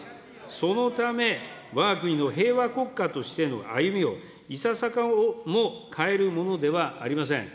そのため、わが国の平和国家としての歩みをいささかも変えるものではありません。